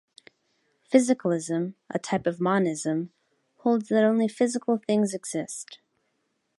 Physicalism, a type of monism, holds that only physical things exist.